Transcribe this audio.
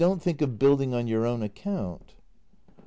Only don't think of building on your own account.